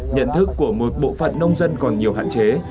nhận thức của một bộ phận nông dân còn nhiều hạn chế